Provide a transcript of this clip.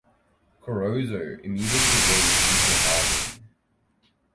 Corozzo immediately went into hiding.